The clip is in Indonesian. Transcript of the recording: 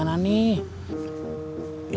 udah berapa ini